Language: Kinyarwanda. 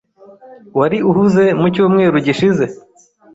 Wari uhuze mu cyumweru gishize?